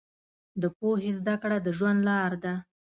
د پوهې زده کړه د ژوند لار ده.